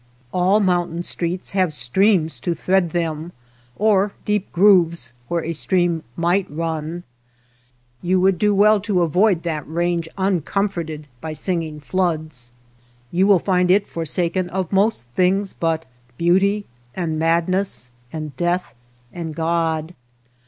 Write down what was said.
All mountain streets have streams to thread them, or deep grooves where a stream might run. You would do well to avoid that range uncomforted by singing floods. You will find it forsaken of most things but beauty and madness and death and God.